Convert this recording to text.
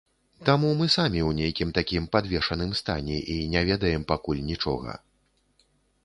Таму мы самі ў нейкім такім падвешаным стане і не ведаем пакуль нічога.